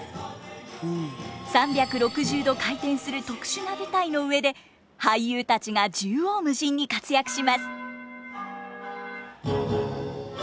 ３６０度回転する特殊な舞台の上で俳優たちが縦横無尽に活躍します。